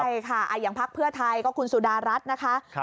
ใช่ค่ะอย่างพักเพื่อไทยก็คุณสุดารัฐนะคะ